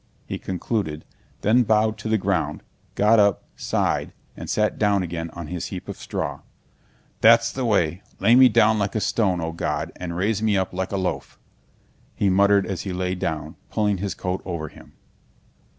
he concluded, then bowed to the ground, got up, sighed, and sat down again on his heap of straw. "That's the way. Lay me down like a stone, O God, and raise me up like a loaf," he muttered as he lay down, pulling his coat over him.